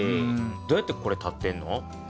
どうやってこれ立ってんの？